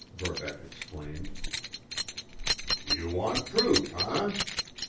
Verbeck exclaimed. "You want proof, eh?